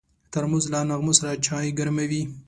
ترموز له نغمو سره چای ګرموي.